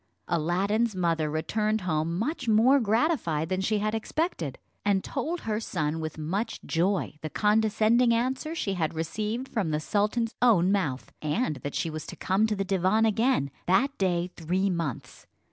Aladdin's mother returned home much more gratified than she had expected, and told her son with much joy the condescending answer she had received from the sultan's own mouth; and that she was to come to the divan again that day three months.